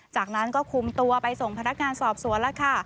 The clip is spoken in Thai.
จากนั้นก็คุมตัวไปส่งพนักงานสอบสวนแล้วค่ะ